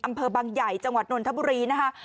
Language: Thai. อำเภอบางใหญ่จังหวัดนนทบุรีนะคะ